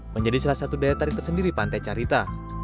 menjadi salah satu daya tarik tersendiri pantai carita